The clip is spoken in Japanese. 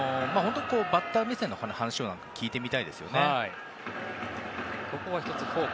バッター目線の話を聞いてみたいですね。